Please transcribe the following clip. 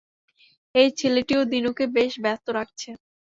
এই ছেলেটিও দিনুকে বেশ ব্যস্ত রাখছে।